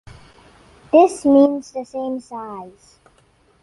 This means the same size.